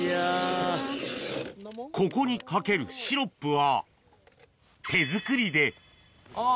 ここにかけるシロップは手作りであぁ